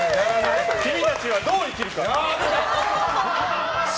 君たちはどう生きるか。